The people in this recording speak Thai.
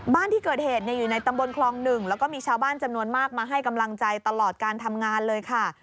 บ้านที่เกิดเหตุอยู่ในตำบลคลอง๑แล้วก็มีชาวบ้านจำนวนมากมาให้กำลังใจตลอดการทำงานเลยค่ะ